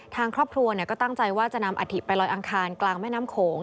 ทางครอบครัวก็ตั้งใจว่าจะนำอัฐิไปลอยอังคารกลางแม่น้ำโขง